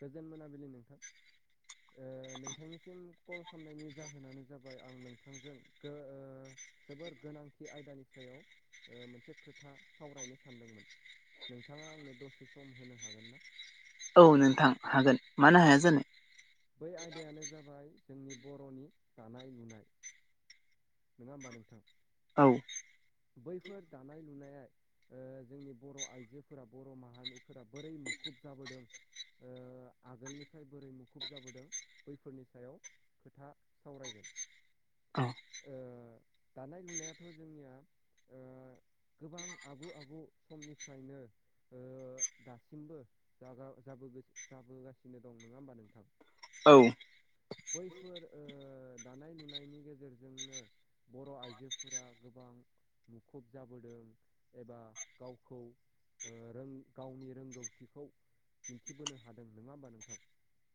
गोजोन मोनाबिलि नोंथां। ओ नोंथांनिसिम कल खालामनायनि जाहोनानो जाबाय आं नोंथांजों ओ जोबोर गोनांथि आयदानि सायाव मोनसे खोथा सावरायनो सानदोंमोन। नोंथाङा आंनो दसे सम होनो हागोन ना? औ नोंथां हागोन मानो हाया जानो। बै आयदायानो जाबाय जोंनि बर'नि दानाय लुनाय नङा होमबा नोंथां? औ बैफोर दानाय लुनाया ओ जोंनि बर' आइजोफोरा बर' माहारिफोरा बोरै मुखुब जाबोदों आगोलनिफ्राय बोरै मुखुब जाबोदों बैफोरनि सायाव खोथा सावरायगोन। औ ओ दानाय लुनायाथ' जोंनिया ओ गोबां आगु आगु समनिफ्रायनो ओ दासिमबो जा जा जाबोगासिनो दं नंङा होमबा नोंथां? औ बैफोर ओ दानाय लुनायनि गेजेरजोंनो बर' आइजोफोरा गोबां मुखुब जाबोदों एबा गावखौ ओ रों गावनि रोंगौथिखौ दिन्थिबोनो हादों नङा होमबा नोंथां?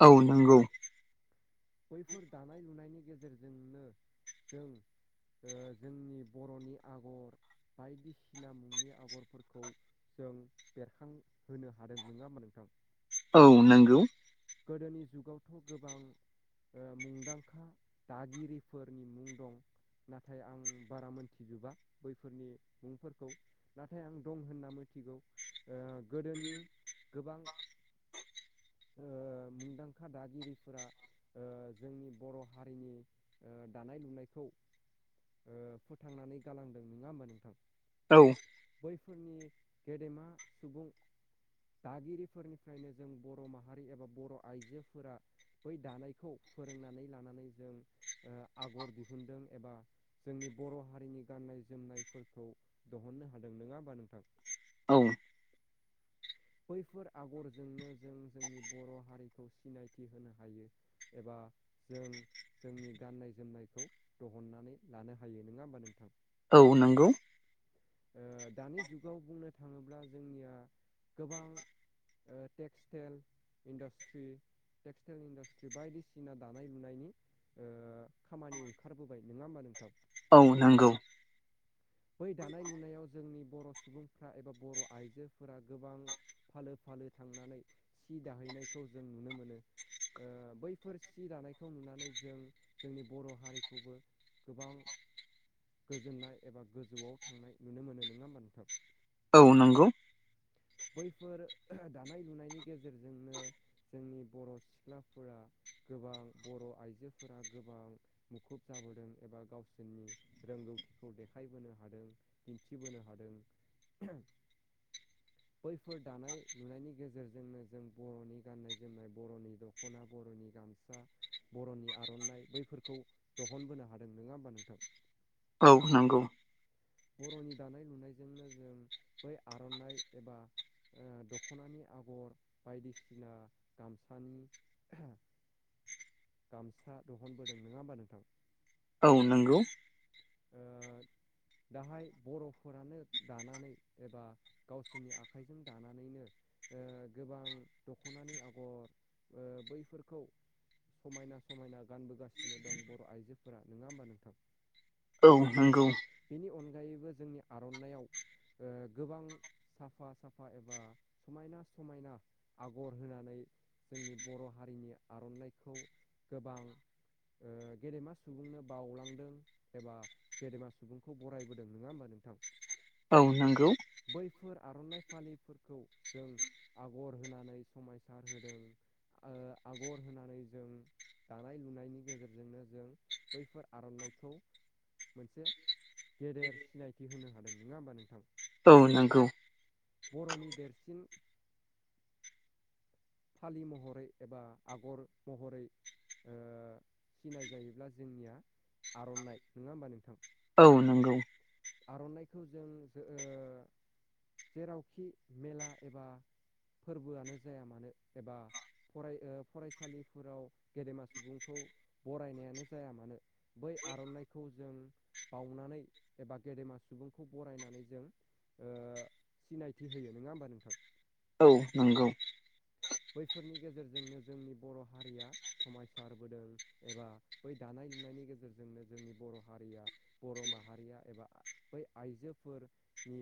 औ नंगौ बैफोर दानाय लुनायनि गेजेरजोंनो जों ओ जोंनि बर'नि आगर बायदिसिना मुंनि आगरफोरखौ जों बेरखांहोनो हादों नङा होमबा नोंथां? औ नंगौ गोदोनि जुगावथ' गोबां ओ मुंदांखा दागिरिफोरनि मुं दं। नाथाय आं बारा मोनथिजोबा बैफोरनि मुंफोरखौ। नाथाय आं दं होनना मिथिगौ ओ गोदोनि गोबां ओ मुंदांखा दागिरिफोरा ओ जोंनि बर' हारिनि ओ दानाय लुनायखौ फोथांनानै गालांदों नंङा होमबा नोंथां? औ बैफोरनि गेदेमा सुबुं दागिरिफोरनिफ्रायनो जों बर' माहारि एबा बर' आइजोफोरा बै दानायखौ फोरोंनानै लानानै जों ओ आगर दिहुनदों एबा जोंनि बर' हारिनि गाननाय जोमनायफोरखौ दिहुननो हादों नंङा होमबा नोंथां? औ [inaudible] बैफोर आगरजोंनो जों जोंनि बर' हारिखौ सिनायथि होनो हायो। एबा जों जोंनि गाननाय जोमनायखौ दिहुननानै लानो हायो नंङा होमबा नोंथां? औ नंगौ दानि जुगाव बुंनो थांङोब्ला जोंनिया गोबां टेक्सटेल इन्डासट्रि टेक्सटाइल इन्डासट्रि बायदिसिना दानाय लुनायनि खामानि ओंखारबोबाय नंङा होमबा नोंथां। औ नांगौ। [inaudible] बै दानाय लुनायाव जोंनि बर' सुबुंफ्रा एबा बर' आइजोफोरा गोबां फालो फालो थांनानै सि दाहैनायखौ जों नुनो मोनो। बैफोर सि दानायखौ नुनानै जों जोंनि बर' हारिखौबो। गोबां। गोजोननाय एबा गोजौआव थांनाय नुनो मोनो नंङा होमबा नोंथां। औ नंगौ। नंगौ बैफोर दानाय लुनायनि गेजेरजोंनो। जोंनि बर' सिख्लाफोरा गोबां बर' आइजोफोरा गोबां मुखुब जाबोदों एबा गावसोरनि रोंगौथिखौ देखायबोनो हादों दिन्थिबोनो हादों। [unintelligible] बैफोर दानाय लुनायनि गेजेरजोंनो जों बर'नि गाननाय जोमनाय बर'नि दं। दख'ना बर'नि गामसा बर'नि आर'नाइ बैफोरखौ दिहनबोनो हादों। द नङा होमबा नोंथां। औ नंगौ। बर'नि दानाय लुनायजोंनो जों बै आर'नाइ एबा। दख'नानि आगर बायदिसिना गामसानि। गामसा दिहनबोदों नङा होमबा नोंथां। औ नंगौ ओ दाहाय बर'फोरानो दानानै एबा। गावसोरनि आखाइजों दानानैनो गोबां दख'नानि आगर। बैफोरखौ समायना समायना गानबोगासिनो दं बर' आइजोफोरा। नंङा होमबा नोंथां औ नंगौ बेनि अनगायैबो जोंनि आर'नाइ ओ गोबां। साफा साफा एबा समायना समायना आगर होनानै। जोंनि बर' हारिनि आर'नाइखौ गोबां गेदेमा। सुबुंनो बावलांदों एबा गेदेमा सुबुंखौ बरायबोदों नङा होमबा नोंथां। औ नंगौ। बैफोर आर'नाइ फालिफोरखौ जों आगर होनानै समायसार होदों। आगर होनानै जों दानाय लुनायनि गेजेरजोंनो जों। बैफोर आर'नाइखौ। मोनसे गेदेर सिनायथि होनो हादों नङा होमबा नोंथां। औ नंगौ। बर'नि देरसिन। फालि महरै एबा आगर महरै। खिनाय जायोब्ला जोंनिया आर'नाइ नङा होमबा नोंथां। औ नंगौ। आर'नाइखौ जों जेरावखि मेला एबा। फोरबोआनो जाया मानो एबा फराय फरायसालिफोराव गेदेमा सुबुंखौ। बरायनायानो जाया मानो बै आर'नाइखौ जों बावनानै। एबा गेदेमा सुबुंखौ बरायनानै जों सिनायथि होयो नङा होमबा नोंथां। औ नंगौ। बैफोरनि गेजेरजोंनो जोंनि बर' हारिया। समायसारबोदों एबा बै दानाय लुनायनि गेजेरजोंनो जोंनि बर' हारिया। बर' माहारिया एबा बै आइजोफोरनि।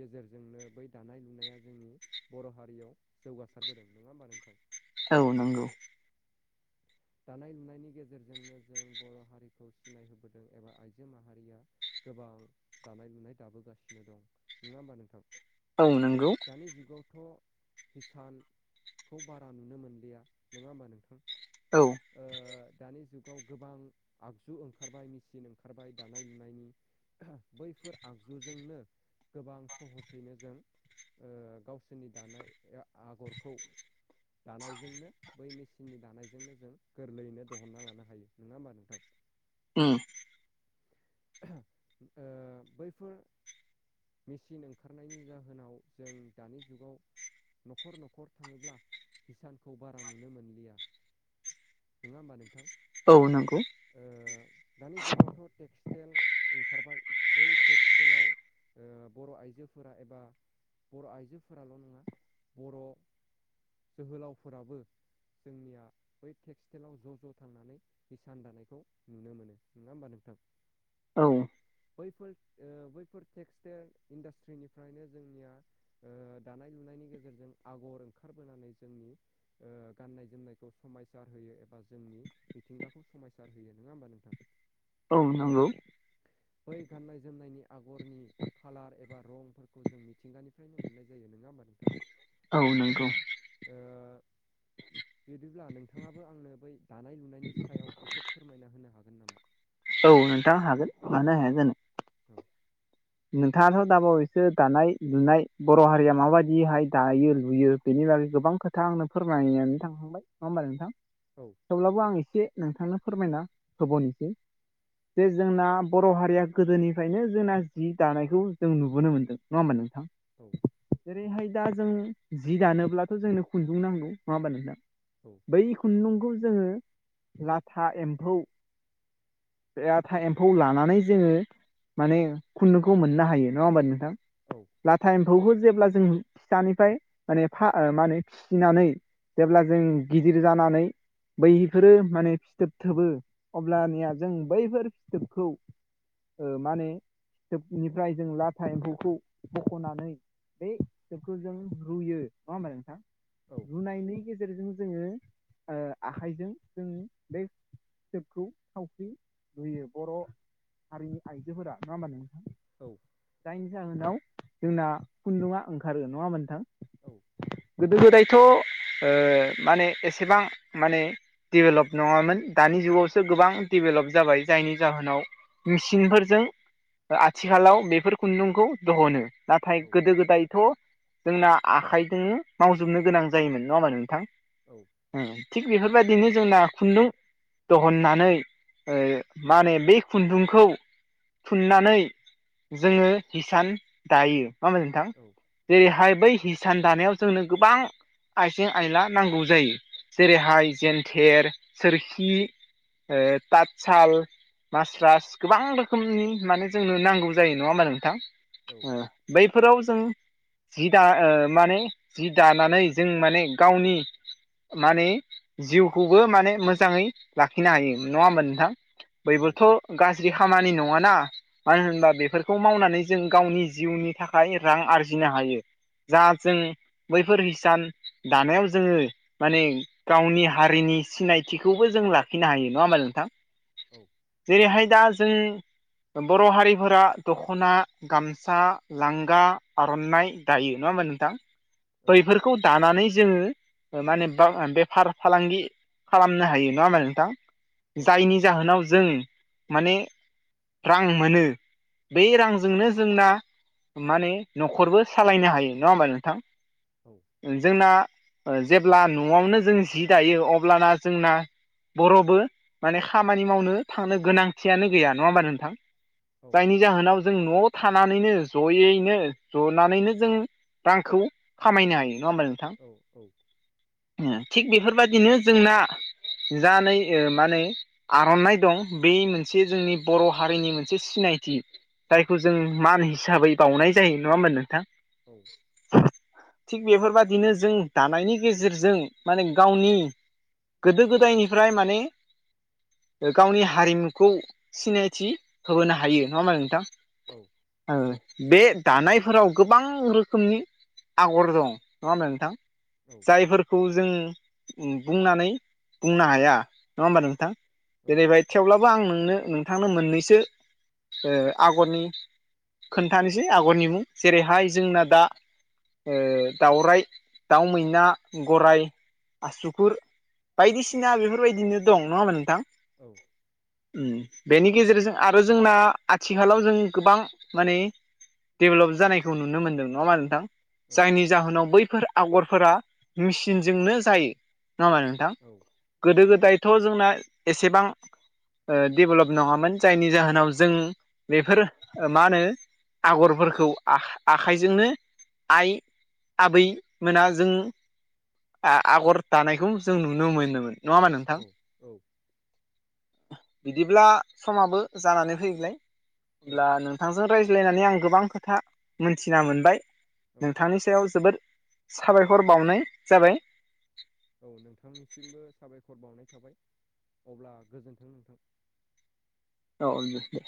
गेजेरजोंनो बै दानाय लुनाया जोंनि बर' हारियाव जौगासिनो सारबोदों नङा होमबा नोंथां उम औ दानाय लुनायनि गेजेरजोंनो जों बर' हारिखौ सिनायहोबोदों एबा आइजो माहारिया गोबां दानाय लुनाय दाबोगासिनो दं नङा होमबा नोंथां औ नंगौ दानि जुगावथ' हिसान खौ बारा नुनो मोनलिया नङा होमबा नोंथां ओ दानि जुगाव गोबां आगजु ओंखारबाय मेचिन ओंखारबाय दानाय लुनायनि बैफोर आगजुजोंनो गोबां सहसैनो जों गावसोरनि दानाय आगरखौ दानायजोंनो बै मेसिननि दानायजोंनो जों गोरलैयैनो दहनना लानो हायो नङा होमबा नोंथां उम ओ बैफोर मेसिन ओंखारनायनि जाहोनाव जों दानि जुगाव न'खर न'खर थाङोब्ला हिसानखौ बारा नुनो मोनलिया नङा होमबा नोंथां औ नंगौ दानि जुगावथ' टेक्सटाइल ओंखारबाय बै टेक्सटाइलाव बर' आइजोफोरा एबा बर' आइजोफोराल' नङा बर' जोहोलावफोराबो जोंनिया बै टेक्सटाइलाव ज' ज' थांनानै हिसान दानायखौ नुनो मोनो नङा होमबा नोंथां औ बैफोर बैफोर टेक्सटाइल इन्डास्ट्रिनिफ्रायनो जोंनिया ओ दानाय लुनायनि गेजेरजों आगर ओंखारबोनानै जोंनि ओ गाननाय जोमनायखौ समायसार होयो एबा जोंनि मिथिंगाखौ समायसार होयो नङा होमबा नोंथां औ नंगौ बै गाननाय जोमनायनि आगरनि कलार एबा रंफोरखौ जों मिथिंगानिफ्रायनो मोननाय जायो नङा होमबा नोंथां औ नंगौ ओं बिदिब्ला नोंथाङाबो आंनो बै दानाय लुनायनि सायाव एसे फोरमायना होनो हागोन नामा औ नोंथाङा हागोन मानो हाया जोन औ नोंथाङाथ' दाबावैसो दानाय लुनाय बर' हारिया माबायदिहाय दायो लुयो बेनि बागै गोबां खोथा आंनो फोरमायनानै थांखांबाय नङा होमबा नोंथां औ थेवब्लाबो आं एसे नोंथांनो फोरमायना होबावनिसै जे जोंना बर' हारिया गोदोनिफ्रायनो जोंना जि दानायखौ जों नुबोनो मोनदों नङा होमबा नोंथां औ जेरैहाय दा जों जि दानोब्लाथ' जोंनो खुन्दुं नांगौ नङा होमबा नोंथां औ बै खुन्दुंखौ जोङो लाथा एम्फौ आथा एम्फौ लानानै जोङो माने खुन्दनोखौ मोननो हायो नङा होमबा नोंथां औ लाथा एम्फौखौ जेब्ला जों फिसानिफ्राय माने मा होनो फिसिनानै जेब्ला जों गिदिर जानानै बैफोरो माने फिथोब थोबो अब्लानिया जों बैफोर फिथोबखौ ओ माने जोबनिफ्राय जों लाथा एम्फौखौ बख'नानै बे सोबखौ जों रुयो नङा होमबा नोंथां। औ। रुनायनि गेजेरजों जोङो आखाइजों जों बे फिबखौ सावस्रि लुयो बर' हारिनि आइजोफोरा नङा होमबा नोंथां? औ। जायनि जाहोनाव जोंना खुन्दुङआ ओंखारगो नङा ओमबा नोंथां? औ। गोदो गोदायथ' माने एसेबां माने डेभेलप नङामोन दानि जुगावसो गोबां डेभेलप जाबाय जायनि जाहोनाव मेचिनफोरजों आथिखालाव बेफोर खुन्दुंखौ दिहनो नाथाय औ गोदो गोदायथ' जोंना आखाइजोंनो मावजोबनो गोनां जायोमोन नङा ओमबा नोंथां? थिग बेफोरबायदिनो जोंना खुन्दुं दहननानै मा होनो बे खुन्दुंखौ थुननानै जोङो हिसान दायो मा मा नोंथां। जेरैहाय बै हिसान दानायाव जोंनो गोबां आइजें आयला नांगौ जायो जेरैहाय जेेनथेर सोरखि तातसाल मासरास गोबां रोखोमनि माने जोंनो नांगौ जायो नङा मा नोंथां बैफोराव जों जि द माने जि दानानै जों माने गावनि माने जिउखौबो माने मोजाङै लाखिनो हायो नङा होमबा नोंथां? औ बैबोथ' गाज्रि खामानि न नङ ना मानो होनबा बेफोरखौ मावनानै जों गावनि जिउनि थाखाय रां आरजिनो हायो। जा जों बैफोर हिसान दानायाव जोङो माने गावनि हारिनि सिनायथिखौबो जों लाखिनो हायो नङा होमबा नोंथां? औ। जेरैहाय दा जों बर' हारिफोरा दख'ना गामसा लांगा आर'नाइ दायो नङा होमबा नोंथां? औ बैफोरखौ खौ दानानै जोङो माने बेफार फालांगि खालामनो हायो नङा होमा औ नोंथां जायनि नंगौ नोंथां जाहोनाव जों माने रां मोनो बे रांजोंनो जोंना माने न'खरबो सालायनो हायो नङा होमबा नोंथां? औ। जोंना जेब्ला न'आवनो जों जि दायो अब्लाना जोंना बर'बो माने खामानि मावनो थांनो गोनांथियानो गैया नङा होमबा नोंथां? औ नि जाहोनाव जों न' थानानैनो जयैनो जनानैनो जों रांखौ खामायनो हायो नङा होमबा नों औ औ। थिग बेफोरबायदिनो जोंना जा नै माने आर'नाइ दं बे मोनसे मोन जोंनि बर' हारिनि मोनसे सिनायथि औ जायखौ जों मान हिसाबै बावनाय जायो नङा होमबा नोंथां? औ। थिग बेफोरबाददिनो जों दानायनि गेजेरजों माने गावनि गोदो गोदायनिफ्राय माने गावनि हारिमुखौ सिनायथि थि होबोनो हायो नङा होमबा नोंथां? औ। बे दानायफोराव गोबां रोखोमनि आगर दं नङा होनबा नोंथां औ जायफोरखौ जों बुंनानै बुंनो हाया नङा होमबा नोंथां जेरैबाय थेवब्लाबो आं नोंनो नोंथांनो मोननैसो आगरनि खोन्थानोसै आगरनि मुं जेरैहाय जोंना दा दाउरायाइ दाउ मैना गराय आसुगुर बायदिसिना बेफोरबायदिनो दं नङा हामा नोंथां औ उम बेनि गेजेरजों आरो जोंना आथिखालाव जों गोबां माने डेभलप जानायखौ नुनो मोन्दों नङा होमबा नोंथां जायनि जाहोनाव बैफोर आगरफोरा मेसिनजोंनो जायो नङा मा गोदो गोदायथ' जोंना एसेबां डेभेलप नङामोन जायनि जाहोनाव जों बेफोर मा होनो आगरफोरखौ आखाइजोंनो आइ आबैमोना जों आगर दानायखौ जों नुनो मोनोमोन नङा होमबा नोंथां बिदिब्ला समाबो जानानै फैलाय अब्ला नों नोंथांजों रायज्लायनानै आं गोबां खोथा मोनथिना मोनबाय औ नोंथांनि सायाव जोबोद साबायखर बावनाय जाबाय औ नोंथांनिसिमबो साबायखर बावनाय थाबाय अब्ला गोजोन्थों नोंथां औ दे दे